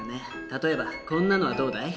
例えばこんなのはどうだい？